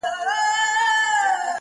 خو هېڅ څوک د هغې غږ ته نه درېږي,